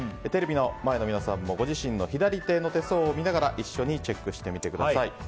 テレビの前の皆さんもご自身の左手の手相を見ながら一緒にチェックしてみてください。